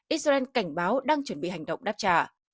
israel cảnh báo đang chuẩn bị hành động đáp trả